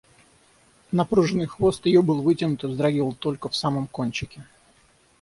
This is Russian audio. Напруженный хвост ее был вытянут и вздрагивал только в самом кончике.